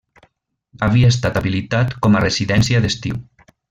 Havia estat habilitat com a residència d'estiu.